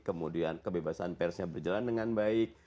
kemudian kebebasan persnya berjalan dengan baik